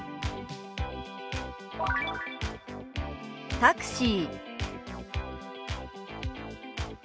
「タクシー」。